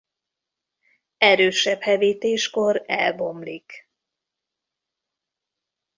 Erősebb hevítéskor elbomlik.